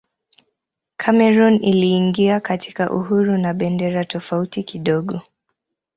Kamerun iliingia katika uhuru na bendera tofauti kidogo.